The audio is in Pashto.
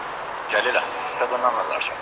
فلسطین په اور کي سوځي